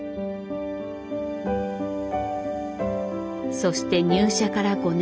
そして入社から５年。